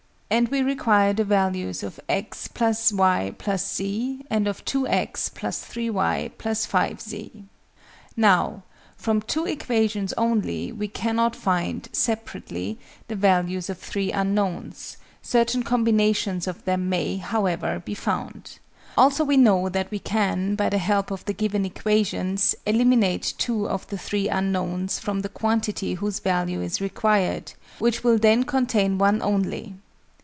And we require the values of x + y + z, and of 2_x_ + 3_y_ + 5_z_. Now, from two equations only, we cannot find, separately, the values of three unknowns: certain combinations of them may, however, be found. Also we know that we can, by the help of the given equations, eliminate 2 of the 3 unknowns from the quantity whose value is required, which will then contain one only.